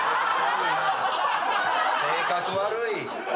性格悪いな。